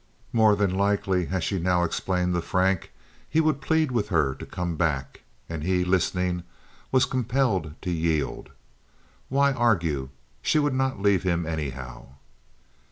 More than likely, as she now explained to Frank, he would plead with her to come back. And he, listening, was compelled to yield. Why argue? She would not leave him anyhow.